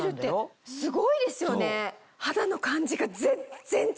すごいですよね。